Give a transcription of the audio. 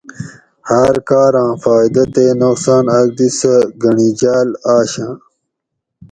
ہاۤر کاراں فائیدہ تے نقصان آک دی سہ گۤنڑیجاۤل آشاۤں